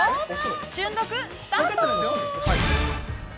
瞬読、スタート。